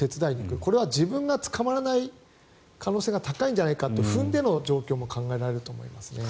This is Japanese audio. これは自分が捕まらない可能性が高いんじゃないかと踏んでの可能性も高いと思いますね。